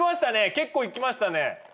結構いきましたね！